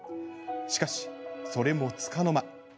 しかし、それもつかの間。